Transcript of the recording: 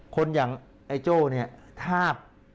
คนอย่างไอ้โจ้เนี่ยถ้า